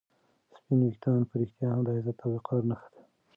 سپین ویښتان په رښتیا هم د عزت او وقار نښه ده.